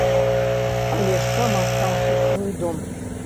Але ж там астаўся свой дом.